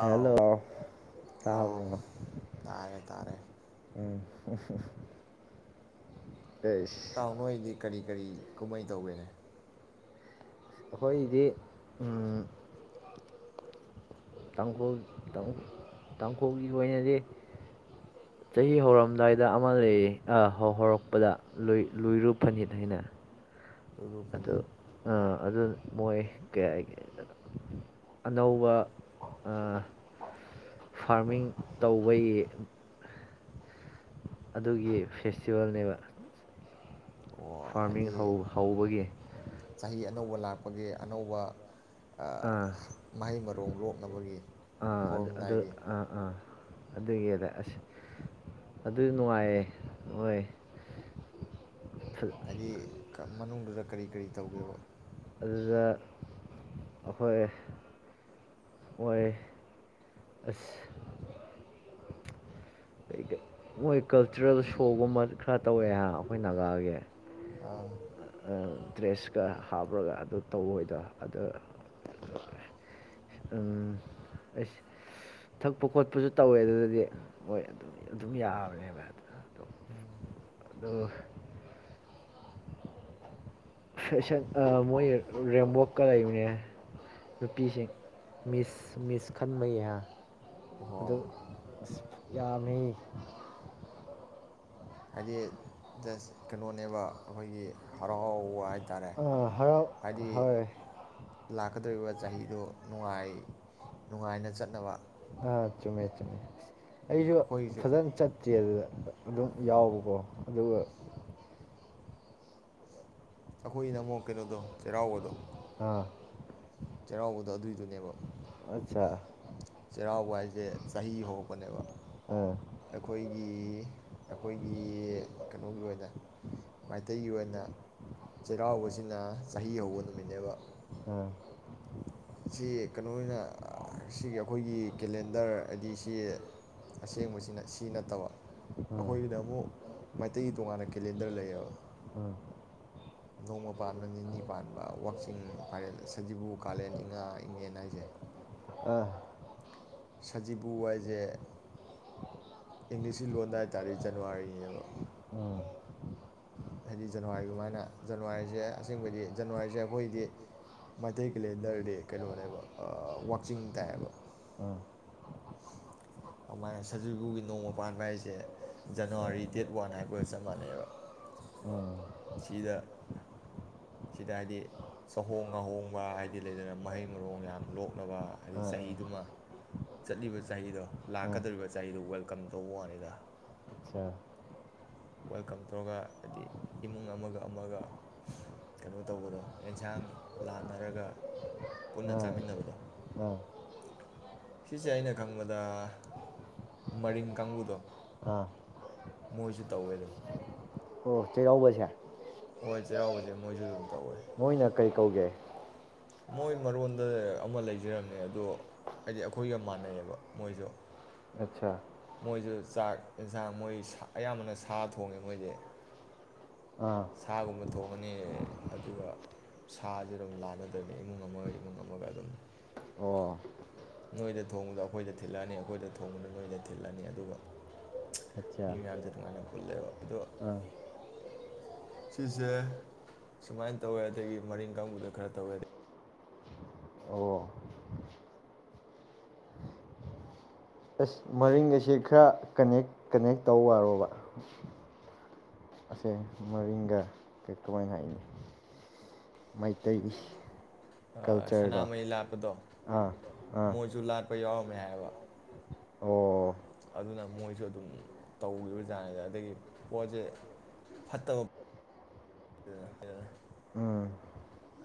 hello ꯇꯥꯕꯣ ꯎꯝ ꯑ ꯇꯥꯎꯅꯣ ꯑꯩꯗꯤ ꯀꯔꯤ ꯀꯔꯤ ꯀꯨꯝꯍꯩ ꯇꯧꯒꯦꯅꯦ ꯑꯩꯈꯣꯏꯒꯤꯗꯤ ꯇꯥꯡꯈꯜ ꯇꯥꯡꯈꯨꯜꯒꯤ ꯑꯣꯏꯅꯗꯤ ꯆꯍꯤ ꯍꯧꯔꯝꯗꯥꯏꯗ ꯑꯃ ꯂꯩꯌꯦ ꯍꯧꯔꯛꯄꯗ ꯂꯣꯏꯔꯨ ꯐꯅꯤꯠ ꯍꯥꯏꯅ ꯑꯗꯨꯣ ꯑ ꯑꯗꯨ ꯃꯣꯏ ꯀꯩ ꯍꯥꯏꯒꯦ ꯑꯅꯧꯕ ꯐꯥꯔꯃꯤꯡ ꯇꯧꯕꯒꯤ ꯑꯗꯨꯒꯤ ꯐꯦꯁꯇꯤꯚꯦꯜꯅꯦꯕ ꯐꯥꯔꯃꯤꯡ ꯍꯧꯕꯒꯤ ꯑꯅꯧꯕ ꯂꯥꯛꯄꯒꯤ ꯑꯅꯧꯕ ꯃꯍꯩ ꯃꯔꯣꯡ ꯂꯣꯛꯅꯕꯒꯤ ꯍꯧꯔꯝꯗꯥꯏꯒꯤ ꯑꯗꯨꯒꯤꯗ ꯑꯁ ꯑꯗꯨ ꯅꯨꯡꯉꯥꯏꯌꯦꯦ ꯍꯣꯏ ꯍꯥꯏꯗꯤ ꯀ ꯃꯅꯨꯡꯗꯨꯗ ꯀꯔꯤ ꯀꯔꯤ ꯇꯧꯒꯦꯕ ꯑꯗꯨꯗ ꯑꯩꯈꯣꯏ ꯑꯣꯏ ꯑꯁ ꯑꯗꯒꯤ ꯃꯣꯏ ꯀꯜꯆꯔꯦꯜ ꯁꯣꯒꯨꯝꯕ ꯈꯔ ꯇꯧꯋꯦ ꯑꯩꯈꯣꯏ ꯅꯥꯒꯥꯒꯤ ꯑꯥ ꯗ꯭ꯔꯦꯁꯀ ꯍꯥꯞꯄ꯭ꯔꯒ ꯑꯗꯨ ꯇꯧꯋꯣꯏꯗꯣ ꯑꯗ ꯎꯝ ꯑꯩꯁ ꯊꯛꯄ ꯈꯣꯠꯄꯁꯨ ꯇꯧꯋꯦ ꯑꯗꯨꯗꯗꯤ ꯃꯣꯏ ꯑꯗꯨꯝ ꯑꯗꯨꯝ ꯌꯥꯕꯅꯦꯕ ꯑꯗ [inaudible] ꯑꯗꯨ ꯐꯦꯁꯟ ꯃꯣꯏ ꯔꯦꯝꯕꯣꯛꯀ ꯂꯩꯕꯅꯦ ꯅꯨꯄꯤꯁꯤꯡ ꯃꯤꯁ ꯃꯤꯁ ꯈꯥꯟꯕꯒꯤ ꯌꯥ ꯑꯗꯨꯝ ꯌꯥꯝꯃꯤ ꯍꯥꯏꯗꯤ ꯖꯁ ꯀꯩꯅꯣꯅꯦꯕ ꯑꯩꯈꯣꯏꯒꯤ ꯍꯔꯥꯎꯕ ꯍꯥꯏ ꯍꯥꯏꯇꯥꯔꯦ ꯍꯥꯏꯗꯤ ꯂꯥꯛꯀꯗꯧꯔꯤꯕ ꯆꯍꯤꯗꯣ ꯅꯨꯡꯉꯥꯏ ꯅꯨꯡꯉꯥꯏꯅ ꯆꯠꯅꯕ ꯑꯥ ꯆꯨꯝꯃꯦ ꯆꯨꯝꯃꯦ ꯑꯩꯁꯨ ꯐꯖꯅ ꯆꯠꯇ꯭ꯔꯤ ꯑꯗꯨꯗ ꯑꯗꯨꯝ ꯌꯥꯎꯕꯀꯣ ꯑꯗꯨꯒ ꯑꯩꯈꯣꯏ ꯅ ꯑꯃꯨꯛ ꯀꯩꯅꯣꯗꯣ ꯆꯩꯔꯥꯎꯕꯗꯣ ꯑꯥ ꯆꯩꯔꯥꯎꯕꯗꯣ ꯑꯗꯨꯏꯗꯨꯅꯦꯕ ꯆꯩꯔꯥꯎꯕ ꯍꯥꯏꯁꯦ ꯆꯍꯤ ꯍꯧꯔꯛꯄꯅꯦꯕ ꯑꯩꯈꯣꯏꯒꯤ ꯑꯩꯈꯣꯏꯒꯤ ꯀꯩꯅꯣꯒꯤ ꯑꯣꯏꯅ ꯃꯩꯇꯩꯒꯤ ꯑꯣꯏꯅ ꯆꯩꯔꯥꯎꯕꯁꯤꯅ ꯆꯍꯤ ꯍꯧꯕ ꯅꯨꯃꯤꯠꯅꯦꯕ ꯑꯥ ꯁꯤ ꯀꯩꯅꯣ ꯑꯣꯏꯅ ꯁꯤꯒꯤ ꯑꯩꯈꯣꯏꯒꯤ ꯀꯦꯂꯦꯟꯗꯔ ꯍꯥꯏꯗꯤ ꯁꯤ ꯑꯁꯦꯡꯕꯁꯤꯅ ꯁꯤ ꯅꯠꯇꯕ ꯑꯩꯈꯣꯏꯒꯤꯗ ꯑꯃꯨꯛ ꯃꯩꯇꯩꯒꯤ ꯇꯣꯉꯥꯟꯅ ꯀꯦꯂꯦꯟꯗꯔ ꯂꯩꯌꯦꯕ ꯅꯣꯡꯃ ꯄꯥꯟꯕ ꯅꯤꯅꯤ ꯄꯥꯟꯕ ꯋꯥꯛꯆꯤꯡ ꯄꯥꯏꯔꯦꯜ ꯁꯖꯤꯕꯨ ꯀꯥꯂꯦꯟ ꯏꯉꯥ ꯏꯪꯉꯦꯟ ꯍꯥꯏꯁꯦ ꯁꯖꯤꯕꯨ ꯍꯥꯏꯁꯦ ꯏꯪꯂꯤꯁꯀꯤ ꯂꯣꯟꯗ ꯍꯥꯏ ꯇꯥꯔꯗꯤ ꯖꯅꯋꯥꯔꯤꯅꯦꯕ ꯍꯥꯏꯗꯤ ꯖꯅꯋꯥꯔꯤꯒꯃꯥꯏꯅ ꯖꯅꯋꯥꯔꯤꯁꯦ ꯑꯁꯦꯡꯕꯩꯗꯤ ꯖꯅꯋꯥꯔꯤꯁꯦ ꯑꯩꯈꯣꯏꯗꯤ ꯃꯩꯇꯩ ꯀꯦꯂꯦꯟꯗꯔꯗꯤ ꯀꯩꯅꯣꯅꯦꯕ ꯋꯥꯛꯆꯤꯡ ꯇꯥꯏꯌꯦꯕ ꯑꯗꯨꯃꯥꯏꯅ ꯁꯖꯤꯨꯕꯨꯒꯤ ꯅꯣꯡꯃ ꯄꯥꯟꯕ ꯍꯥꯏꯁꯦ ꯖꯅꯋꯥꯔꯤ ꯗꯦꯠ ꯋꯥꯟ ꯍꯥꯏꯕꯒ ꯆꯞ ꯃꯥꯟꯅꯩꯕ ꯁꯤꯗ ꯁꯤꯗ ꯍꯥꯏꯗꯤ ꯆꯍꯣꯡ ꯉꯥꯍꯣꯡꯕ ꯍꯥꯏꯗꯤ ꯂꯩꯗꯅ ꯃꯍꯩ ꯃꯔꯣꯡ ꯌꯥꯝ ꯂꯣꯛꯅꯕ ꯍꯥꯏꯕꯗꯤ ꯆꯍꯤꯗꯨꯃ ꯆꯠꯂꯤꯕ ꯆꯍꯤꯗꯣ ꯂꯥꯛꯀꯗꯧꯔꯤꯕ ꯆꯍꯤꯗꯣ ꯋꯦꯜꯀꯝ ꯇꯧꯕ ꯋꯥꯅꯤꯗ ꯑꯝ ꯋꯦꯜꯀꯝ ꯇꯧꯔꯒ ꯍꯥꯏꯗꯤ ꯏꯃꯨꯡ ꯑꯃꯒ ꯑꯃꯒ ꯀꯩꯅꯣ ꯇꯧꯕꯗꯣ ꯑꯦꯟꯁꯥꯡ ꯂꯥꯟꯅꯔꯒ ꯄꯨꯟꯅ ꯆꯥꯃꯤꯟꯅꯕꯗꯣ ꯁꯤꯁꯦ ꯑꯩꯅ ꯈꯪꯕꯗ ꯃꯔꯤꯡ ꯀꯥꯡꯕꯨꯗꯣ ꯃꯣꯏꯁꯨ ꯇꯧꯋꯦꯕ ꯑꯣ ꯆꯩꯔꯥꯎꯕꯁꯦ ꯍꯣꯏ ꯆꯩꯔꯥꯎꯕꯁꯦ ꯃꯣꯏꯁꯨ ꯑꯗꯨꯝ ꯃꯣꯏꯅ ꯀꯩ ꯇꯧꯒꯦ ꯃꯣꯏ ꯃꯔꯣꯟꯗ ꯑꯃ ꯂꯩꯖꯔꯝꯅꯦ ꯑꯗꯣ ꯍꯥꯏꯗꯤ ꯑꯩꯈꯣꯏꯒ ꯃꯥꯟꯅꯩꯌꯦꯕ ꯃꯣꯏꯁꯨ ꯑꯆꯥ ꯃꯣꯏꯁꯨ ꯆꯥꯛ ꯌꯦꯟꯁꯥꯡ ꯃꯣꯏ ꯑꯌꯥꯝꯕꯅ ꯁꯥ ꯊꯣꯡꯉꯦ ꯃꯣꯏꯗꯤ ꯁꯥꯒꯨꯝꯕ ꯊꯣꯡꯉꯅꯤ ꯑꯗꯨꯒ ꯁꯥꯁꯤ ꯑꯗꯨꯝ ꯂꯥꯟꯅꯗꯣꯏꯅꯦ ꯏꯃꯨꯡ ꯑꯃꯒ ꯏꯃꯨꯡ ꯑꯃꯒ ꯑꯗꯨꯝ ꯅꯣꯏꯗ ꯊꯣꯡꯕꯗ ꯑꯩꯈꯣꯏꯗ ꯊꯤꯜꯂꯛꯑꯅꯤ ꯑꯩꯈꯣꯏꯗ ꯊꯣꯡꯕꯗ ꯅꯣꯏꯗ ꯊꯤꯜꯂꯅꯤ ꯑꯗꯨꯒ ꯃꯤ ꯃꯤꯖꯔ ꯃꯥꯅꯦ ꯄꯨꯣꯂꯦꯕꯣ ꯑꯗꯣ ꯁꯤꯁꯦ ꯁꯨꯃꯥꯏꯅ ꯇꯧꯋꯦ ꯑꯗꯒꯤ ꯃꯔꯤꯡ ꯀꯥꯡꯕꯨꯗ ꯈꯔ ꯇꯧꯏꯦꯗꯤ ꯑꯁ ꯃꯔꯤꯡ ꯑꯁꯤ ꯈꯔ ꯀꯅꯦꯛ ꯀꯅꯦꯛ ꯇꯧ ꯋꯥꯔꯣꯕ ꯑꯁꯦ ꯃꯔꯤꯡꯒ ꯀꯔꯤꯛꯇꯅ ꯍꯥꯏꯅꯤ ꯃꯩꯇꯩ ꯁꯅꯥꯃꯍꯤ ꯂꯥꯠꯄꯗꯣ ꯃꯣꯏꯁꯨ ꯂꯥꯠꯄ ꯌꯥꯎꯔꯝ ꯃꯕ ꯑꯗꯨꯅ ꯃꯣꯏꯁꯨ ꯑꯗꯨꯝ ꯇꯧꯈꯤꯕꯖꯥꯠꯅꯦ ꯑꯗꯒꯤ ꯄꯣꯠꯁꯦ ꯐꯠꯇꯕ ꯍꯥꯏꯔ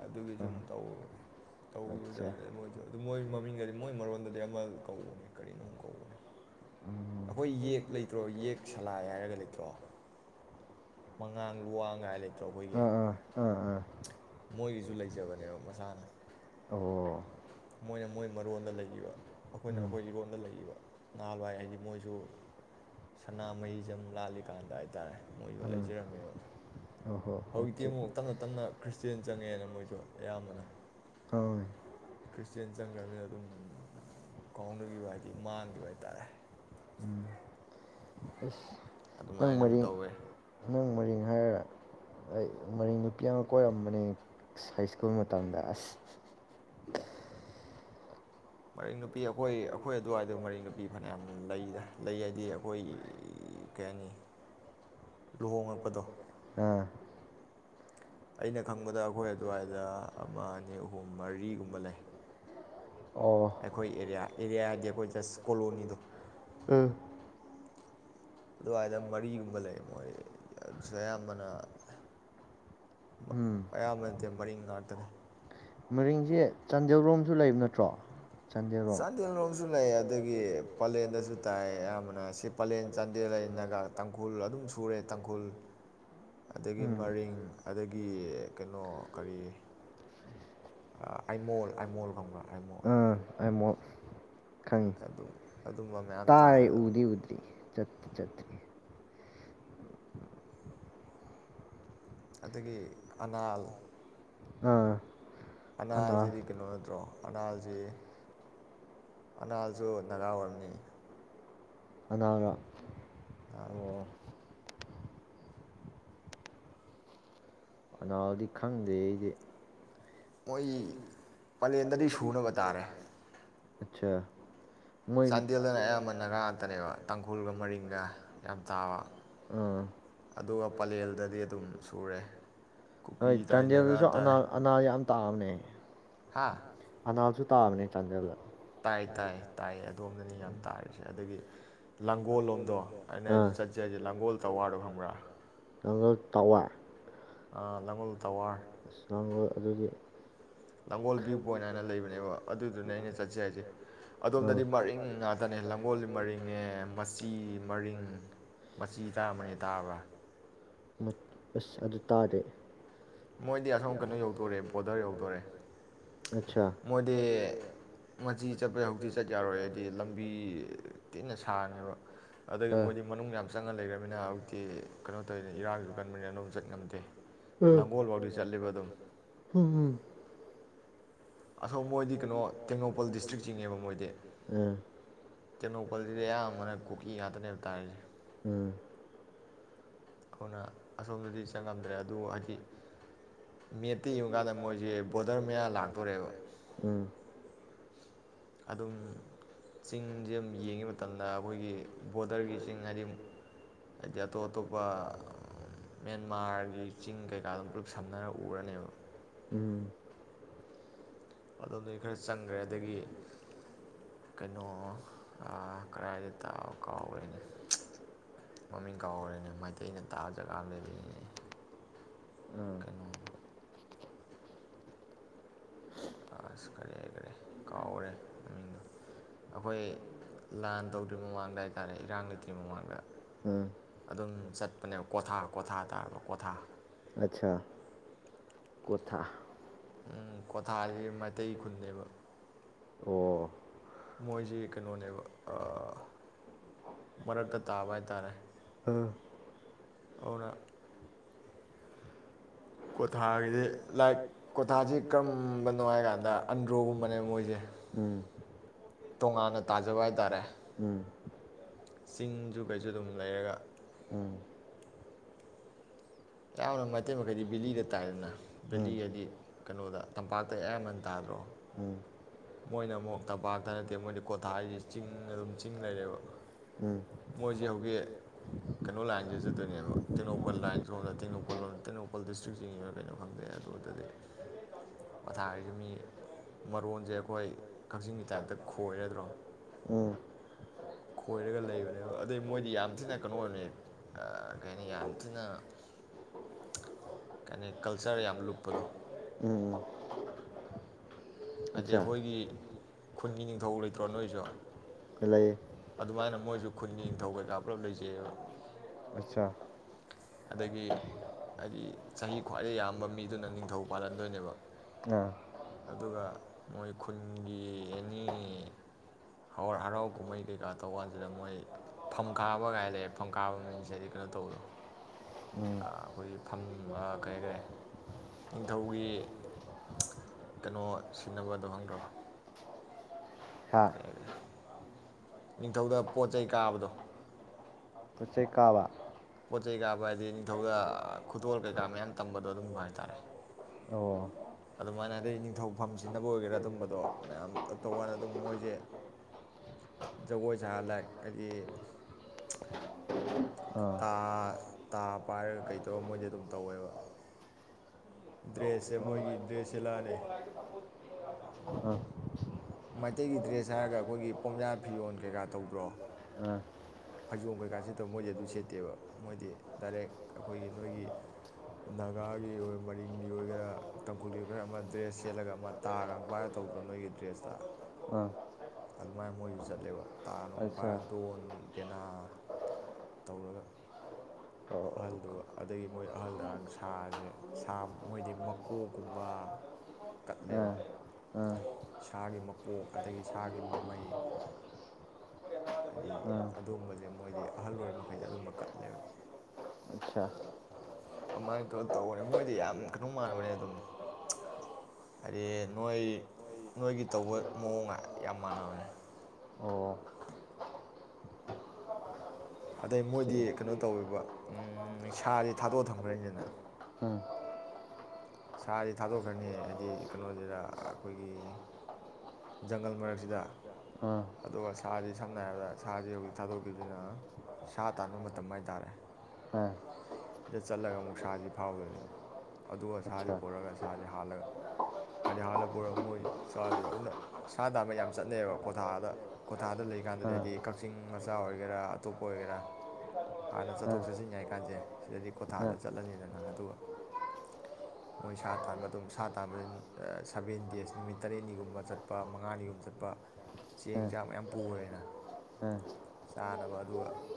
ꯑꯗꯨꯒꯤ ꯁꯨꯝꯧ ꯇꯧꯈꯤꯕꯖꯥꯗꯗꯤ ꯃꯣꯏꯁꯨ ꯑꯗꯨ ꯃꯣꯏ ꯃꯃꯤꯡꯒꯗꯤ ꯃꯣꯏ ꯃꯔꯣꯟꯗꯗꯤ ꯑꯃ ꯀꯧꯕꯅꯦ ꯀꯔꯤꯅꯣ ꯀꯧꯕꯅꯤ ꯑꯩꯈꯣꯏ ꯌꯦꯛ ꯂꯩꯇ꯭ꯔꯣ ꯌꯦꯛ ꯁꯂꯥꯏ ꯍꯥꯏꯔꯒ ꯂꯩꯇ꯭ꯔꯣ ꯃꯉꯥꯡ ꯂꯨꯋꯥꯡ ꯉꯥꯏ ꯂꯩꯇ꯭ꯔꯣ ꯑꯩꯈꯣꯏꯒꯤ ꯃꯣꯏꯒꯤꯁꯨ ꯂꯩꯖꯕꯅꯦꯕ ꯃꯁꯥꯅ ꯃꯣꯏꯅ ꯃꯣꯏ ꯃꯔꯣꯟꯗ ꯂꯩꯔꯤꯕ ꯑꯩꯈꯣꯏꯅ ꯑꯩꯈꯣꯏ ꯏꯔꯣꯟꯗ ꯂꯩꯔꯤꯕ ꯅꯍꯥꯟꯋꯥꯏ ꯍꯥꯏꯗꯤ ꯃꯣꯏꯁꯨ ꯁꯅꯥꯃꯍꯤꯖꯝ ꯂꯥꯜꯂꯤꯀꯥꯟꯗ ꯍꯥꯏ ꯇꯥꯔꯦ ꯃꯣꯏꯁꯨ ꯂꯩꯖꯔꯝꯃꯦꯕ ꯍꯧꯖꯤꯛꯇꯤ ꯑꯃꯨꯛ ꯇꯞꯅ ꯇꯞꯅ ꯈ꯭ꯔꯤꯁꯇꯦꯟ ꯆꯪꯉꯛꯦꯅ ꯃꯣꯏꯁꯨ ꯑꯌꯥꯝꯕꯅ ꯈ꯭ꯔꯤꯁꯇꯦꯟ ꯆꯪꯈ꯭ꯔꯅꯤꯅ ꯑꯗꯨꯝ ꯀꯥꯎꯅꯈꯤꯕ ꯍꯥꯏꯗꯤ ꯃꯥꯡꯈꯤꯕ ꯍꯥꯏꯇꯥꯥꯔꯦ ꯑꯗꯨꯃꯥꯏꯅ ꯑꯗꯨꯝ ꯇꯧꯋꯦ ꯌꯥꯝ ꯀꯣꯏꯔꯝꯕꯅꯦ ꯁꯥꯏꯁ꯭ꯀꯨꯜ ꯃꯇꯝꯗ ꯑꯁ ꯃꯔꯤꯛ ꯅꯨꯄꯤ ꯑꯩꯈꯣꯏ ꯑꯩꯈꯣꯏ ꯑꯗꯨꯋꯥꯏꯗꯣ ꯃꯔꯤꯦꯡ ꯅꯨꯄꯤ ꯐꯅꯌꯥꯝ ꯂꯩꯗ ꯂꯩ ꯍꯥꯏꯗꯤ ꯑꯩꯈꯣꯏ ꯀꯩ ꯍꯥꯏꯅꯤ ꯂꯨꯍꯣꯡꯉꯛꯄꯗꯣ ꯑꯩꯅ ꯈꯪꯕꯗ ꯑꯩꯈꯣꯏ ꯑꯗꯨꯋꯥꯏꯗ ꯑꯃ ꯑꯅꯤ ꯑꯍꯨꯝ ꯃꯔꯤꯒꯨꯝꯕ ꯂꯩ ꯑꯩꯈꯣꯏ ꯑꯦꯔꯤꯌꯥ ꯑꯦꯔꯤꯌꯥ ꯍꯥꯏꯗꯤ ꯑꯩꯈꯣꯏ ꯖꯁ ꯀꯣꯂꯣꯅꯤꯗꯣ ꯎꯝ ꯑꯗꯨꯋꯥꯏꯗ ꯃꯔꯤꯒꯨꯝꯕ ꯂꯩ ꯃꯣꯏ ꯑꯗꯨꯁꯨ ꯑꯌꯥꯝꯕꯅ ꯑꯌꯥꯝꯕ ꯅꯠꯇꯦ ꯃꯔꯤ ꯉꯥꯛꯇꯅꯦ ꯆꯥꯟꯗꯦꯜꯔꯣꯝꯁꯨ ꯂꯩꯕ ꯅꯠꯇ꯭ꯔꯣ ꯆꯥꯟꯗꯦꯜꯂꯣꯝꯁꯨ ꯂꯩ ꯑꯗꯨꯒꯤ ꯄꯂꯦꯟꯗꯁꯨ ꯇꯥꯏ ꯑꯌꯥꯝꯕꯅ ꯁꯤ ꯄꯂꯦꯟ ꯆꯥꯟꯗꯦꯜ ꯂꯩꯅꯒꯥ ꯇꯥꯡꯈꯨꯜ ꯑꯗꯨꯝ ꯁꯨꯔꯦ ꯇꯥꯡꯈꯨꯜ ꯑꯗꯒꯤ ꯃꯔꯤꯡ ꯑꯗꯒꯤ ꯀꯩꯅꯣ ꯀꯔꯤ ꯑꯥꯏꯃꯣꯜ ꯑꯥꯏꯃꯣꯜ ꯈꯪꯕ꯭ꯔꯥ ꯑ ꯑꯩꯃꯣ ꯑꯗꯨ ꯑꯗꯨꯝꯕ ꯃꯌꯥꯝ ꯇꯥꯔꯗꯣ ꯆꯠꯇ ꯆꯠꯇ ꯑꯗꯒꯤ ꯑꯅꯥꯜ ꯑꯥ ꯑꯅꯥꯁꯤꯗꯤ ꯀꯩꯅꯣ ꯅꯠꯇ꯭ꯔꯣ ꯑꯅꯥꯜꯁꯤ ꯑꯅꯥꯜꯁꯨ ꯅꯥꯒꯥ ꯑꯣꯏꯔꯝꯅꯤ ꯑꯅꯥꯔ ꯑ ꯀꯅꯥꯎꯗꯤ ꯈꯪꯗꯦ ꯑꯩꯗꯤ ꯑꯣꯏꯣꯏ ꯄꯂꯦꯟꯗꯗꯤ ꯁꯨꯅꯕ ꯇꯥꯔꯦ ꯑꯆꯥ ꯆꯥꯟꯗꯦꯜꯗꯅ ꯑꯌꯥꯝꯕ ꯅꯥꯒꯥ ꯉꯥꯛꯇꯅꯦꯕ ꯇꯥꯡꯈꯨꯜꯒ ꯃꯔꯤꯡꯒ ꯌꯥꯝ ꯇꯥꯕ ꯑꯗꯨꯒ ꯄꯂꯦꯜꯗꯗꯤ ꯑꯗꯨꯝ ꯁꯨꯔꯦ ꯀꯨꯀꯤ ꯇꯥꯏꯅꯒ ꯇꯥꯏ ꯇꯥꯕꯅꯦ ꯑꯅꯥꯎꯁꯨ ꯇꯥꯕꯅꯦ ꯇꯟꯖꯜꯂꯦ ꯇꯥꯏ ꯇꯥꯏ ꯇꯥꯏꯌꯦ ꯑꯗꯣꯝꯗ ꯑ ꯌꯥꯝ ꯇꯥꯔꯤꯁꯦ ꯑꯗꯒꯤ ꯅꯪꯣꯜ ꯇꯋꯥꯔ ꯑ ꯂꯉꯨꯜ ꯂꯥꯡꯒꯣꯜ ꯚ꯭ꯌꯨ ꯄꯣꯏꯟ ꯍꯥꯏꯅ ꯂꯩꯕꯅꯦꯕ ꯑꯗꯨꯗꯨꯅꯦ ꯑꯩꯅ ꯆꯠꯁ ꯍꯥꯏꯁꯦ ꯑꯗꯣꯝꯗꯗꯤ ꯃꯔꯤꯡ ꯉꯥꯛꯇꯅꯦ ꯂꯥꯡꯒꯣꯜꯗꯤ ꯃꯔꯤꯡꯅꯦ ꯃꯆꯤ ꯃꯔꯤꯡ ꯃꯆꯤ ꯇꯥꯝꯕꯅꯦ ꯇꯥꯕ꯭ꯔꯥ ꯇꯥꯔꯦ ꯃꯣꯏꯗꯤ ꯑꯁꯣꯝ ꯀꯩꯅꯣ ꯌꯧꯗꯣꯔꯦ ꯕꯣꯔꯗꯔ ꯌꯧꯗꯣꯔꯦ ꯃꯣꯏꯗꯤ ꯃꯆꯤ ꯆꯠꯄꯩ ꯍꯧꯖꯤꯛꯇꯤ ꯆꯠ ꯌꯥꯔꯣꯏꯦꯗꯤ ꯂꯝꯕꯤ ꯊꯤꯟꯅ ꯁꯥꯥꯡꯅꯦꯕ ꯑꯗꯒꯤ ꯃꯣꯏꯗꯤ ꯃꯅꯨꯡ ꯌꯥꯝ ꯆꯪꯉ ꯂꯩꯔꯕꯅꯤꯅ ꯍꯧꯖꯤꯛꯇꯤ ꯀꯩꯅꯣ ꯇꯧꯋꯦꯅ ꯏꯔꯥꯡꯁꯨ ꯀꯟꯕꯅꯤꯅ ꯑꯗꯨꯣꯝ ꯆꯠ ꯉꯝꯗꯦ ꯎꯝ ꯎꯝ ꯑꯁꯣ ꯃꯣꯏꯗꯤ ꯀꯩꯅꯣ ꯇꯦꯡꯅꯧꯄꯜ ꯗꯤꯁꯇ꯭ꯔꯤꯛ ꯆꯤꯡꯉꯦꯕ ꯃꯣꯏꯗꯤ ꯇꯦꯡꯅꯧꯄꯜꯁꯤꯗꯤ ꯑꯌꯥꯝꯕꯅ ꯀꯨꯀꯤ ꯉꯥꯛꯇꯅꯦꯕ ꯇꯥꯔꯤꯁꯦ ꯑꯗꯨꯅ ꯑꯁꯣꯝꯗꯗꯤ ꯆꯪꯉꯝꯗ꯭ꯔꯦ ꯑꯗꯨ ꯍꯥꯏꯗꯤ ꯌꯦꯠꯇ ꯌꯒꯥꯗ ꯖꯟ ꯃ ꯂꯥꯛꯔꯦꯕ ꯑꯗꯨꯝ ꯆꯤꯡꯁꯦ ꯑꯃꯝ ꯌꯦꯡꯉꯤ ꯃꯇꯝꯗ ꯑꯩꯈꯣꯏꯒꯤ ꯕꯣꯔꯗꯔꯒꯤ ꯆꯤꯡ ꯍꯥꯏꯗꯤ ꯍꯥꯏꯗꯤ ꯑꯇꯣꯞ ꯑꯇꯣꯞꯄ ꯃꯦꯟꯃꯥꯔꯒꯤ ꯆꯤꯡ ꯀꯩꯀꯥꯗꯣꯝ ꯄꯨꯂꯞ ꯁꯝꯅꯔ ꯎꯔꯅꯦꯕ ꯑꯗꯣꯝꯗꯒꯤ ꯑꯩ ꯈꯔ ꯆꯪꯈ꯭ꯔꯦ ꯑꯗꯒꯤ ꯀꯩꯅꯣ ꯀꯔꯥꯏꯗ ꯀꯥꯎꯈ꯭ꯔꯦꯅꯦ ꯃꯃꯤꯡ ꯀꯥꯎꯈ꯭ꯔꯦꯅꯦ ꯃꯩꯇꯩꯅ ꯇꯥꯕ ꯖꯒꯥ ꯑꯃ ꯂꯩꯕꯅꯤꯅꯦ ꯀꯩꯅꯣ ꯑꯁ ꯀꯔꯤ ꯍꯥꯏ ꯀꯔꯤꯦ ꯀꯥꯎꯔꯦ ꯃꯃꯤꯡꯗꯣ ꯑꯩꯈꯣꯏ ꯂꯥꯟ ꯇꯧꯗ꯭ꯔꯤ ꯃꯃꯥꯡꯗ ꯍꯥꯏ ꯇꯥꯔꯦ ꯏꯔꯥꯡ ꯂꯩꯇ꯭ꯔꯤ ꯃꯃꯥꯡꯗ ꯑꯗꯨꯝ ꯆꯠꯄꯅꯦꯕ ꯀꯣꯊꯥ ꯀ꯭ꯣꯊꯥ ꯇꯥꯔꯕ ꯀ꯭ꯣꯊꯥ ꯑꯆꯥ ꯀꯣꯊꯥ ꯎꯝ ꯀꯣꯊꯥ ꯍꯥꯏ ꯃꯩꯇꯩ ꯈꯨꯟꯅꯦꯕ ꯃꯣꯏꯁꯤ ꯀꯩꯅꯣꯅꯦ ꯑ ꯑꯅ ꯣꯊꯣꯊꯁꯤꯦ [unintelligible] ꯇꯣꯉꯅ ꯇꯖꯕ ꯍꯥꯏꯇꯔꯦ ꯆꯤꯡꯁꯨ ꯀꯩꯁꯨ ꯑꯗꯨꯝ ꯂꯩꯔꯒ ꯑꯌꯥꯝꯕꯅ ꯃꯩꯇꯩ ꯃꯈꯩꯗꯤ ꯕꯦꯂꯤꯗ ꯇꯥꯏꯗꯅ ꯕꯦꯂꯤ ꯍꯥꯏꯗꯤ ꯀꯩꯅꯣꯗ ꯇꯝꯄꯥꯛꯇ ꯑꯌꯥꯝꯕꯅ ꯇꯥꯗ꯭ꯔꯣ ꯃꯣꯏꯅ ꯑꯃꯨꯛ ꯇꯝꯄꯥꯛꯇ ꯅꯠꯇꯦ ꯃꯣꯏꯗꯤ ꯀꯣꯊꯥ ꯍꯥꯏꯁꯤ ꯆꯤꯡ ꯑꯗꯨꯝ ꯆꯤꯡ ꯂꯩꯔꯦꯕ ꯃꯣꯏꯁꯤ ꯍꯧꯖꯤꯛ ꯀꯩꯅꯣ ꯂꯥꯏꯟꯗ ꯆꯠꯇꯣꯏꯅꯦꯕ ꯇꯦꯡꯅꯧꯄꯜ ꯂꯥꯏꯟ ꯁ ꯂꯣꯗ ꯇꯦꯡꯅꯧꯄꯜ ꯂꯝꯗ ꯇꯦꯡꯅꯧꯄꯜ ꯗꯤꯁꯇ꯭ꯔꯤꯛ ꯆꯤꯡꯉꯤꯕ ꯀꯩꯅꯣ ꯈꯪꯗꯦ ꯑꯗꯨꯗꯗꯤ ꯄꯊꯥ ꯍꯥꯏꯁꯦ ꯃꯤ ꯃꯔꯣꯟꯁꯦ ꯍꯣꯏ ꯀꯛꯆꯤꯡꯒꯤ ꯇꯥꯏꯞꯇ ꯈꯣꯏꯔꯗ꯭ꯔꯣ ꯈꯣꯏꯔꯒ ꯂꯩꯕꯅꯦꯕ ꯑꯗꯨꯗꯩ ꯃꯣꯏꯗꯤ ꯌꯥꯝ ꯊꯤꯅ ꯀꯩꯅꯣꯅꯤ ꯀꯩ ꯍꯥꯏꯅꯤ ꯌꯥꯝ ꯊꯤꯅ ꯀꯩ ꯍꯥꯏꯅꯤ ꯀꯜꯆꯔ ꯌꯥꯝ ꯂꯨꯞꯄꯗꯣ ꯍꯥꯏꯗꯤ ꯑꯩꯈꯣꯏꯒꯤ ꯈꯨꯟꯒꯤ ꯅꯤꯡ ꯅꯤꯡꯊꯧ ꯂꯩꯇ꯭ꯔꯣ ꯅꯣꯏꯁꯨ ꯂꯩꯌꯦ ꯑꯗꯨꯃꯥꯏꯅ ꯃꯣꯏꯁꯨ ꯈꯨꯟꯒꯤ ꯅꯤꯡꯊꯧ ꯀꯩꯀꯥ ꯄꯨꯂꯞ ꯂꯩꯖꯩꯑꯕ ꯑꯆꯥ ꯆꯍꯤ ꯈ꯭ꯋꯥꯏꯗꯒꯤ ꯌꯥꯝꯕ ꯃꯤꯗꯨꯅ ꯅꯤꯡꯊꯧ ꯄꯥꯜꯍꯟꯗꯣꯏꯅꯦꯕ ꯑꯗꯨꯒ ꯃꯣꯏ ꯈꯨꯟꯒꯤ ꯑꯦꯅꯤ ꯍꯔꯥꯎ ꯀꯨꯝꯍꯩ ꯀꯩꯀꯥ ꯇꯧꯕ ꯀꯥꯟꯁꯤꯗ ꯃꯣꯏ ꯐꯝꯈꯥꯕꯒꯥꯏ ꯂꯩꯦ ꯐꯝꯈꯥꯕ ꯃꯤꯟꯁ ꯍꯥꯏꯗꯤ ꯀꯩꯅꯣ ꯇꯧꯕꯗꯣ ꯑꯩꯈꯣꯏꯒꯤ ꯐꯝ ꯀꯩꯍꯥꯏꯈꯔꯦ ꯅꯤꯡꯊꯧꯒꯤ ꯀꯩꯅꯣ ꯁꯤꯖꯤꯟꯅꯕꯗꯣ ꯈꯪꯗ꯭ꯔꯣ ꯀꯔꯤ ꯍꯥꯏꯒꯔꯦ ꯅꯤꯡꯊꯧꯗ ꯄꯣꯠ ꯆꯩꯩ ꯀꯥꯕꯗꯣ ꯄꯣꯠ ꯆꯩ ꯀꯥꯕ ꯄꯣꯠ ꯆꯩ ꯀꯥꯕ ꯍꯥꯏꯗꯤ ꯅꯤꯡꯊꯧꯗ ꯈꯨꯗꯣꯜ ꯀꯩꯀꯥ ꯃꯌꯥꯝ ꯇꯝꯕꯗꯣ ꯑꯗꯨꯝꯕ ꯍꯥꯏꯇꯥꯔꯦ ꯑꯗꯨꯃꯥꯏꯅ ꯍꯥꯏꯗꯤ ꯅꯤꯡꯊꯧꯐꯝ ꯁꯤꯖꯤꯟꯅꯕ ꯑꯣꯏꯒꯦꯔꯥ ꯑꯗꯨꯝꯕꯗꯣ ꯃꯌꯥꯝ ꯇꯧꯀꯥꯟꯅ ꯑꯗꯨꯝ ꯃꯣꯏꯁꯦ ꯖꯒꯣꯏ ꯁꯥ ꯂꯥꯏꯛ ꯍꯥꯏꯗꯤ ꯇꯥ ꯇꯥ ꯄꯥꯏꯔꯒ ꯀꯩꯗꯧꯔ ꯃꯣꯏꯗꯤ ꯑꯗꯨꯝ ꯇꯧꯋꯦꯕ ꯗ꯭ꯔꯦꯁꯁꯦ ꯃꯣꯏꯒꯤ ꯗ꯭ꯔꯦꯁꯁꯦꯂꯥꯑꯅꯦ ꯃꯩꯇꯩꯒꯤ ꯗ꯭ꯔꯦꯁ ꯍꯥꯏꯔꯒ ꯑꯩꯈꯣꯏꯒꯤ ꯄꯣꯝꯌꯥ ꯐꯤꯌꯣꯟ ꯀꯩꯀꯥ ꯇꯧꯕ꯭ꯔꯣ ꯐꯩꯖꯣꯝ ꯀꯩꯀꯥ ꯁꯦꯠꯇꯕ ꯃꯣꯏꯗꯤ ꯑꯗꯨ ꯁꯦꯠꯇꯦꯕ ꯃꯣꯏꯗꯤ ꯗꯥꯏꯔꯦꯛ ꯑꯩꯈꯣꯏꯒꯤ ꯅꯣꯏꯒꯤ ꯅꯥꯒꯥꯒꯤ ꯃꯔꯤꯡꯒꯤ ꯑꯣꯏꯒꯦꯔꯥ ꯇꯥꯡꯈꯨꯜꯒꯤ ꯑꯣꯏꯒꯦꯔꯥ ꯑꯃ ꯗ꯭ꯔꯦꯁ ꯁꯦꯠꯂꯒ ꯑꯃ ꯇꯥꯒ ꯄꯥꯏꯔ ꯇꯧꯗ꯭ꯔꯣ ꯅꯣꯏꯒꯤ ꯗ꯭ꯔꯦꯁꯇ ꯑꯗꯨꯃꯥꯏꯅ ꯃꯣꯏꯁꯨ ꯆꯠꯂꯦꯕ ꯇꯥ ꯅꯨꯡ ꯄꯥꯏꯔꯥ ꯗꯣꯟ ꯄꯦꯅꯥ ꯇꯧꯔꯒ ꯑꯍꯜꯗꯨ ꯑꯗꯒꯤ ꯃꯣꯏ ꯑꯍꯜꯗ ꯁꯥꯁꯦ ꯁꯥ ꯃꯣꯏꯗꯤ ꯃꯀꯣꯛꯀꯨꯝꯕ ꯀꯠꯂꯦꯕ ꯁꯥꯒꯤ ꯃꯀꯣꯛ ꯑꯗꯒꯤ ꯁꯥꯒꯤ ꯃꯃꯩ ꯍꯥꯏꯗꯤ ꯑꯗꯨꯝꯕꯁꯦ ꯃꯣꯏꯗꯤ ꯑꯍꯜ ꯑꯣꯏ ꯃꯈꯩꯗ ꯑꯗꯨꯝꯕ ꯀꯠꯂꯦꯕ ꯑꯗꯨꯃꯥꯏꯅ ꯇꯧ ꯇꯧꯕꯅꯦ ꯃꯣꯏꯗꯤ ꯌꯥꯝ ꯀꯩꯅꯣ ꯃꯥꯟꯅꯕꯅꯦ ꯑꯗꯨꯝ ꯍꯥꯏꯗꯤ ꯅꯣꯏ ꯅꯣꯏꯒꯤ ꯇꯧꯕ ꯃꯑꯣꯡꯒ ꯌꯥꯝ ꯃꯥꯟꯅꯕꯅꯦ ꯑꯗꯩ ꯃꯣꯏꯗꯤ ꯀꯩꯅꯣ ꯇꯧꯋꯦꯕ ꯁꯥꯁꯦ ꯊꯥꯗꯣꯛꯑ ꯊꯝꯈ꯭ꯔꯅꯤꯗꯅ ꯁꯥꯁ ꯊꯥꯗꯣꯛꯈ꯭ꯔꯅꯤ ꯍꯥꯏꯗꯤ ꯀꯩꯅꯣꯁꯤꯗ ꯑꯩꯈꯣꯏꯒꯤ ꯖꯪꯒꯜ ꯃꯔꯛꯁꯤꯗ ꯑꯗꯨꯒ ꯁꯥꯁꯤ ꯁꯝꯅ ꯍꯥꯏꯔꯕꯗ ꯁꯥꯁꯤ ꯍꯧꯖꯤꯛ ꯊꯥꯗꯣꯛꯈꯤꯕꯁꯤꯅ ꯁꯥ ꯇꯥꯟꯕ ꯃꯇꯝ ꯍꯥꯏ ꯇꯥꯔꯦ ꯁꯤꯗ ꯆꯠꯂꯒ ꯑꯃꯨꯛ ꯁꯥꯁꯤ ꯐꯥꯎꯗꯣꯏꯅꯦꯕ ꯑꯗꯨꯒ ꯁꯥꯁꯤ ꯄꯨꯔꯒ ꯁꯥꯁꯤ ꯍꯥꯜꯂꯒ ꯍꯥꯏꯗꯤ ꯍꯥꯥꯟꯂ ꯄꯨꯔꯒ ꯃꯣꯏ ꯆꯥꯗꯣꯏꯕ ꯑꯗꯨꯅ ꯁꯥ ꯇꯥꯕ ꯌꯥꯝ ꯆꯠꯅꯩꯑꯕ ꯀ꯭ꯊꯥꯗ ꯀ꯭ꯊꯥꯗ ꯂꯩꯀꯥꯟꯗꯗꯤ ꯍꯥꯏꯗꯤ ꯀꯛꯆꯤꯡ ꯃꯆꯥ ꯑꯣꯏꯒꯦꯔꯥ ꯑꯇꯣꯞꯄ ꯑꯣꯏꯒꯦꯔꯥ ꯍꯥꯟꯅ ꯆꯠꯊꯣꯛ ꯆꯠꯁꯤꯟ ꯌꯥꯏ ꯀꯥꯟꯁꯦ ꯁꯤꯗꯗꯤ ꯀ꯭ꯋꯥꯊꯥꯗ ꯆꯠꯂꯅꯤꯗꯅ ꯑꯗꯨꯒ ꯃꯣꯏ ꯁꯥ ꯇꯥꯟꯕ ꯑꯗꯨꯝ ꯁꯥ ꯇꯥꯟꯕ ꯁꯚꯦꯟ ꯗꯦꯖ ꯅꯨꯃꯤꯠ ꯇꯔꯦꯠꯅꯤꯒꯨꯝꯕ ꯆꯠꯄ ꯃꯉꯥꯅꯤꯒꯨꯝꯕ ꯆꯠꯄ ꯆꯦꯡ ꯆꯥꯛ ꯃꯌꯥꯝ ꯄꯨꯈꯔꯦꯅ ꯆꯥꯅꯕ ꯑꯗꯨꯒ